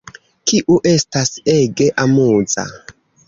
Kiu estas ege amuza